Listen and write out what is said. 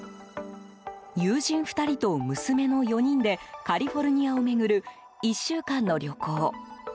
友人２人と娘の４人でカリフォルニアを巡る１週間の旅行。